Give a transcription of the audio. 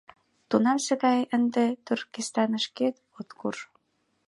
— Тунамсе гай ынде Туркестанышкет от курж.